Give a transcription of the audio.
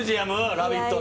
「ラヴィット！」の！